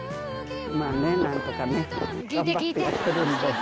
まあね何とかね頑張ってやってるんで。